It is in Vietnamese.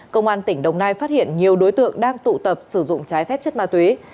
công an tỉnh đồng nai phát hiện nhiều đối tượng đang tụ tập sử dụng trái phép chất ma túy